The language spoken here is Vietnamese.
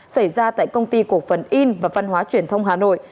xảy ra tại công ty cổ phần in và văn hóa truyền thông hà nội